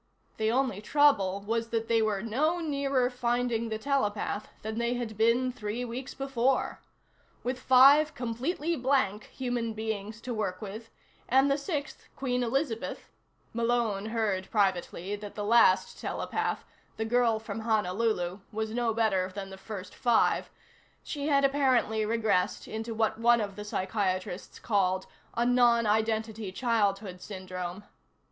The only trouble was that they were no nearer finding the telepath than they had been three weeks before. With five completely blank human beings to work with, and the sixth Queen Elizabeth (Malone heard privately that the last telepath, the girl from Honolulu, was no better than the first five; she had apparently regressed into what one of the psychiatrists called a "non identity childhood syndrome."